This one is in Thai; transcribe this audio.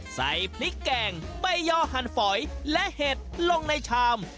ใส่พริกแกงใบย่อหั่นฝอยและเห็ดลงในชาม